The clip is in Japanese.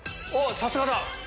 さすがだ！